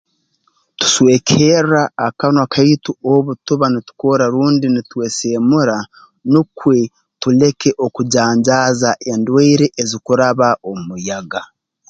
Tuswekerra akanwa kaitu obu tuba nitukorra rundi nitweseemura nukwe tuleke okujanjaaza endwaire ezikuraba omu muyaga